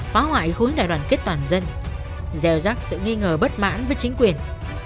phá hoại khối đại đoàn kết toàn dân gieo rắc sự nghi ngờ bất mãn với chính quyền